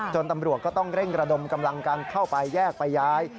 ตำรวจก็ต้องเร่งระดมกำลังกันเข้าไปแยกไปย้าย